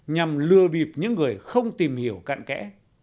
nhằm lừa bịp những người không tìm hiểu cận kẽ